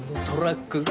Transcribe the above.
トラック